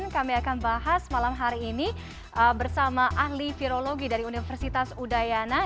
kami akan bahas malam hari ini bersama ahli virologi dari universitas udayana